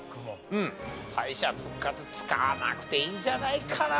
敗者復活使わなくていいんじゃないかな？